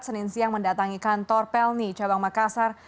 senin siang mendatangi kantor pelni cabang makassar